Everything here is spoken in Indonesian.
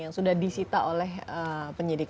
yang sudah disita oleh penyidik